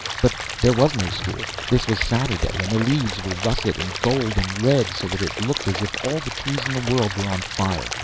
But there was no school, this was Saturday, and the leaves were russet and gold and red so that it looked as if all the trees in the world were on fire.